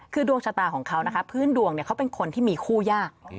คือดวงชะตาของเขานะคะพื้นดวงเขาเป็นคนที่มีคู่ยาก